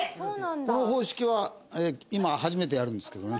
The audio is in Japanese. この方式は今初めてやるんですけどね。